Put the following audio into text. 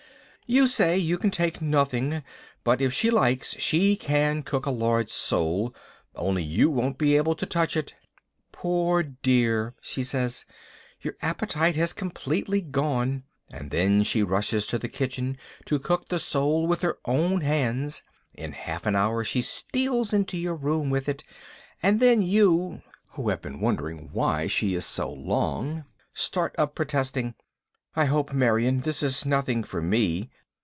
You say you can take nothing, but if she likes she can cook a large sole, only you won't be able to touch it. "Poor dear!" she says, "your appetite has completely gone," and then she rushes to the kitchen to cook the sole with her own hands. In half an hour she steals into your room with it, and then you (who have been wondering why she is such a time) start up protesting, "I hope, Marion, this is nothing for me."